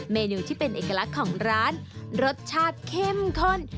เมนูที่เป็นเอกลักษณ์ของร้านรสชาติเข้มข้น